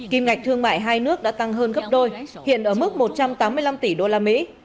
kim ngạch thương mại hai nước đã tăng hơn gấp đôi hiện ở mức một trăm tám mươi năm tỷ usd